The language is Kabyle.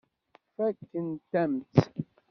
Fakkent-am-tt.